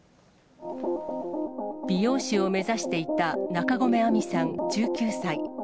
美容師を目指していた中込愛美さん１９歳。